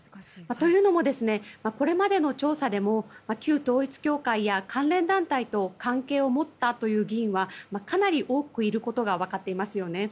というのも、これまでの調査でも旧統一教会や関連団体と関係を持ったという議員はかなり多くいることが分かっていますよね。